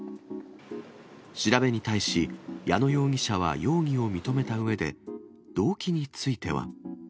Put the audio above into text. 調べに対し、矢野容疑者は容疑を認めたうえで、動機については。